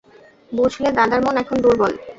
বুঝলে দাদার মন এখন দুর্বল।